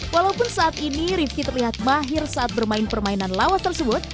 walaupun saat ini rivki terlihat mahir saat bermain permainan lawas tersebut